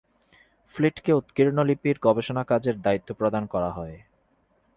ফ্লিটকে উৎকীর্ণ লিপির গবেষণা কাজের দায়িত্ব প্রদান করা হয়।